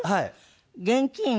現金？